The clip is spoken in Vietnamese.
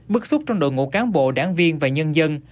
bức xúc trong đội ngũ cán bộ đảng viên và nhân dân